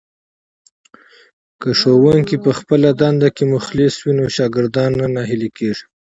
که ښوونکی په خپله دنده کې مخلص وي نو شاګردان نه ناهیلي کېږي.